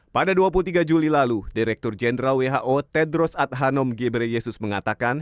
pada dua puluh tiga juli lalu direktur jenderal who tedros adhanom ghebreyesus mengatakan